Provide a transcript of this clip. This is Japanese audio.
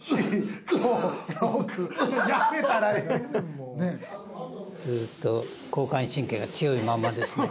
もうずっと交感神経が強いまんまですね